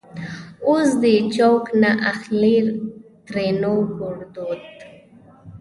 اوس دې چوک نه اخليں؛ ترينو ګړدود